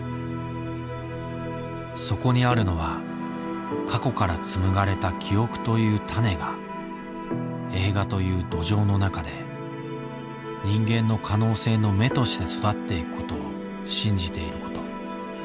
そこにあるのは過去から紡がれた記憶という種が映画という土壌の中で人間の可能性の芽として育っていくことを信じていること。